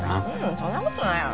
そんなことないやろ？